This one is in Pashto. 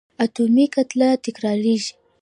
اتومي کتله تکرارېږي.